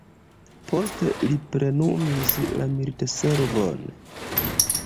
Poste li plenumis la militservon.